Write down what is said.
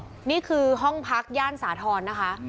นี่คือห้องพักย่านสาธรณ์นะคะ